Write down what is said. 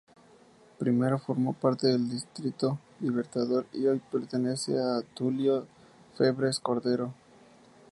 Primero formó parte del Distrito Libertador y hoy pertenece a Tulio Febres Cordero.